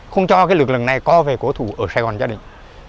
không cho lực lượng này co về cổ thủ ở sài gòn cho địch